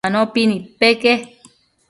Anopi nidpeque